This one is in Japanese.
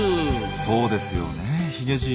そうですよねヒゲじい。